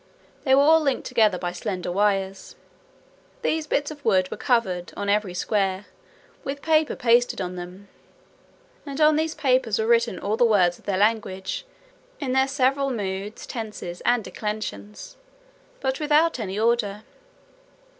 They were all linked together by slender wires. These bits of wood were covered, on every square, with paper pasted on them; and on these papers were written all the words of their language, in their several moods, tenses, and declensions; but without any order.